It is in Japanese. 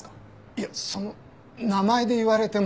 いやその名前で言われても。